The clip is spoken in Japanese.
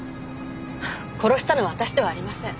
殺したのは私ではありません。